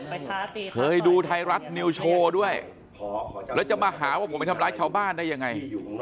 เคยดูไทยรัฐนิวโชว์ด้วยแล้วจะมาหาว่าผมไปทำร้ายชาวบ้านได้ยังไง